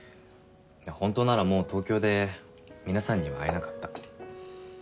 本当ならもう東京で皆さんには会えなかった。